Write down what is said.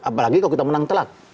apalagi kalau kita menang telak